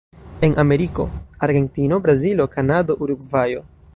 En Ameriko: Argentino, Brazilo, Kanado, Urugvajo.